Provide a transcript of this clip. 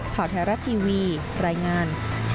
ข่าวไทยรัฐทีวีรายงาน